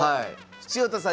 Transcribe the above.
塩田さん